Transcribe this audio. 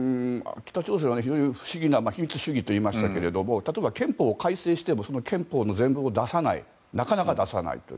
北朝鮮は非常に不思議な秘密主義といいましたが例えば、憲法改正しても憲法の全文をなかなか出さない。